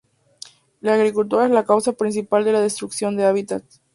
La agricultura es la causa principal de la destrucción de hábitats.